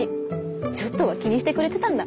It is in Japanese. ちょっとは気にしてくれてたんだ。